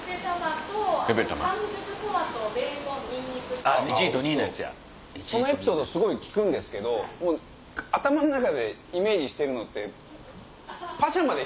そのエピソードすごい聞くんですけど頭ん中でイメージしてるのって。